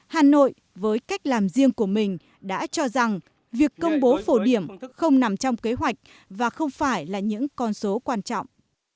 hà nội với cách làm riêng của mình đã cho rằng việc công bố phổ điểm không nằm trong kế hoạch và không phải là những con số quan trọng